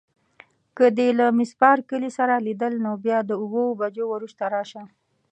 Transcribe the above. که دې له میس بارکلي سره لیدل نو بیا د اوو بجو وروسته راشه.